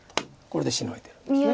これでシノいでるんです。